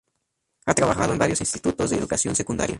Ha trabajado en varios institutos de educación secundaria.